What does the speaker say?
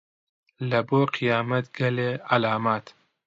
لەبۆ قیامەت گەلێ عەلامات